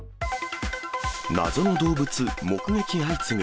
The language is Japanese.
謎の動物、目撃相次ぐ。